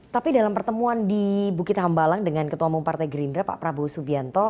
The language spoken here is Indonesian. tapi dalam pertemuan di bukit hambalang dengan ketua umum partai gerindra pak prabowo subianto